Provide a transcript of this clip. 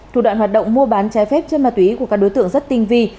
thủ đoạn hoạt động mua bán trái phép chân ma túy của các đối tượng rất tinh vi